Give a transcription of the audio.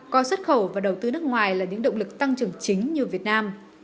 coi xuất khẩu và đầu tư nước ngoài là những động lực tăng trưởng chính như việt nam